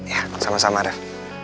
ya sama sama ref